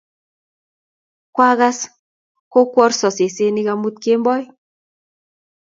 Kwagas kokwortos sesenik amut kemboi